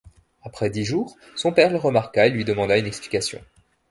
Après dix jours, son père le remarqua et lui demanda une explication.